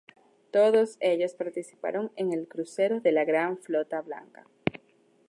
Todos ellos participaron en el crucero de la Gran flota blanca.